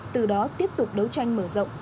từ đó tiếp tục đấu tranh mở rộng